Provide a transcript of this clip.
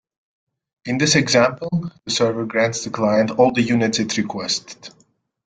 In this example the server grants the client all the units it requested.